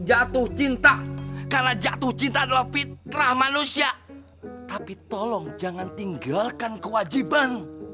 jatuh cinta karena jatuh cinta adalah fitrah manusia tapi tolong jangan tinggalkan kewajiban